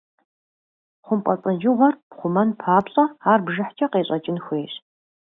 ХъумпӀэцӀэджыгъуэр пхъумэн папщӀэ, ар бжыхькӀэ къещӀэкӀын хуейщ.